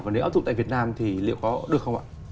và nếu ấp tụng tại việt nam thì liệu có được không ạ